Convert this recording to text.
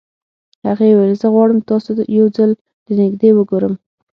هغې وويل زه غواړم تاسو يو ځل له نږدې وګورم.